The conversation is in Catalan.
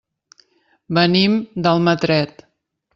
Venim d'Almatret.